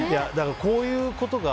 こういうことが。